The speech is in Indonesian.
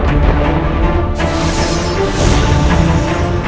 aku masih mau membalaskan rendah